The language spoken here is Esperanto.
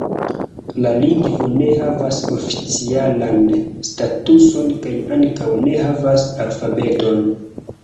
La lingvo ne havas oficialan statuson kaj ankaŭ ne havas alfabeton.